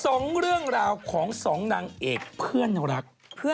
สองเรื่องราวของสองนางเอกเพื่อนรัก